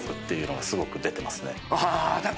ていうのがすごく出てますね。